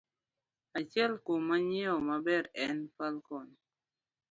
Achiel kuom manyiwa mabeyo en Falcon